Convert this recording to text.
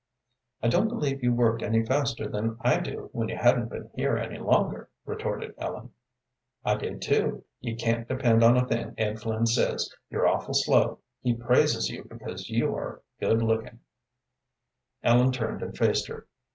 "I don't believe you worked any faster than I do when you hadn't been here any longer," retorted Ellen. "I did, too; you can't depend on a thing Ed Flynn says. You're awful slow. He praises you because you are good lookin'." Ellen turned and faced her.